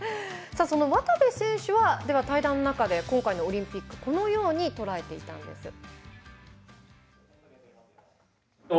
渡部選手は対談の中で今回のオリンピックこのように捉えていたんです。